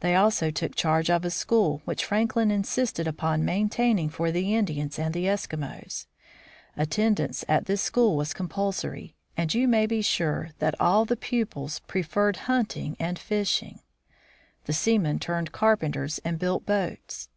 They also took charge of a school, which Franklin insisted upon maintaining for the Indians and the Eskimos. Attendance at this school was compulsory, FRANKLIN'S SECOND LAND JOURNEY 23 and you may be sure all the pupils preferred hunting and fishing. The seamen turned carpenters and built boats.